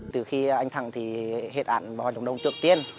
từ khi anh thắng thì hết ảnh vào hoạt động đông trước tiên